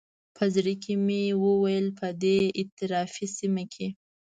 په زړه کې مې وویل په دې اطرافي سیمه کې.